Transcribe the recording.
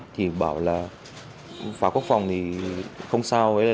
thì bảo là pháo quốc phòng thì không sao